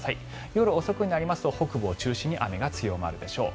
夜遅くになりますと北部を中心に雨が強まるでしょう。